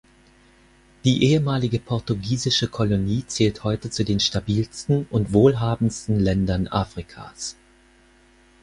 Die ehemalige portugiesische Kolonie zählt heute zu den stabilsten und wohlhabendsten Ländern Afrikas.